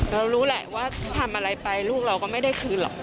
รู้แหละว่าทำอะไรไปลูกเราก็ไม่ได้คืนหรอก